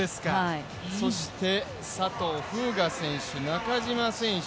そして佐藤風雅選手、中島選手